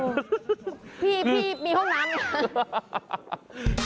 พี่มีห้องน้ำนี่